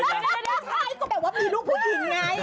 นั่นมันไปก็แบบว่ามีรูปผู้หินไง